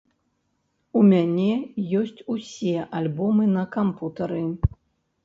У мяне ёсць усе альбомы на кампутары.